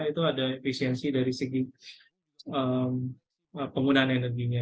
itu ada efisiensi dari segi penggunaan energinya